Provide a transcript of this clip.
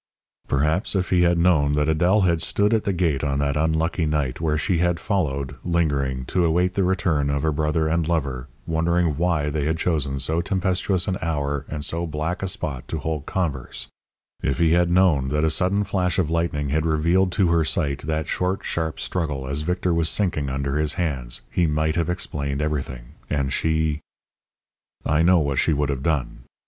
Perhaps, if he had known that Adèle had stood at the gate on that unlucky night, where she had followed, lingering, to await the return of her brother and lover, wondering why they had chosen so tempestuous an hour and so black a spot to hold converse if he had known that a sudden flash of lightning had revealed to her sight that short, sharp struggle as Victor was sinking under his hands, he might have explained everything, and she I know what she would have done.